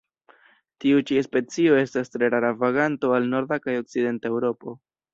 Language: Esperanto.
Tiu ĉi specio estas tre rara vaganto al norda kaj okcidenta Eŭropo.